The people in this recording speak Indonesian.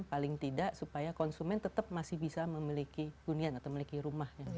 paling tidak supaya konsumen tetap masih bisa memiliki hunian atau memiliki rumah